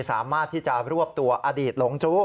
สามารถที่จะรวบตัวอดีตหลงจู้